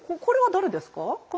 これは誰ですか？